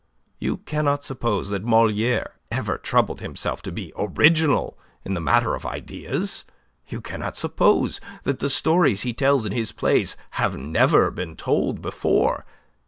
You cannot suppose that Moliere ever troubled himself to be original in the matter of ideas. You cannot suppose that the stories he tells in his plays have never been told before.